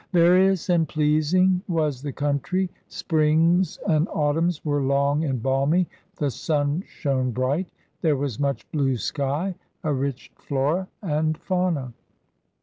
Various and pleasing was the country. Springs and autumns were long and balmy, the sun shone bright, there was much blue sky, a rich flora and fauna.